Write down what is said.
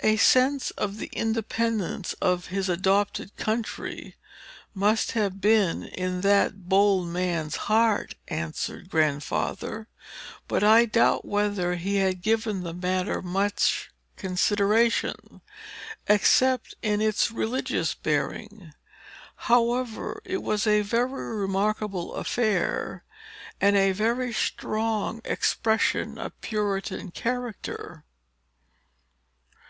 "A sense of the independence of his adopted country, must have been in that bold man's heart," answered Grandfather; "but I doubt whether he had given the matter much consideration, except in its religious bearing. However, it was a very remarkable affair, and a very strong expression of Puritan character."